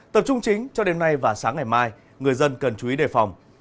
tập trung chính cho đêm nay và sáng ngày mai người dân cần chú ý đề phòng